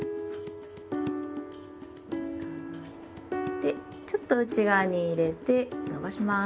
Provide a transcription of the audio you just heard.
でちょっと内側に入れて伸ばします。